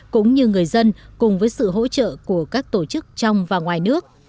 cũng như người dân cùng với sự hỗ trợ của các tổ chức trong và ngoài nước